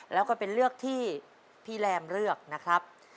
แล้วก็เป็นเลือกที่พี่แรมเลือกนะครับ